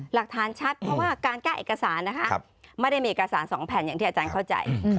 หลักฐานชัดเพราะว่าการแก้เอกสารนะคะไม่ได้มีเอกสาร๒แผ่นอย่างที่อาจารย์เข้าใจ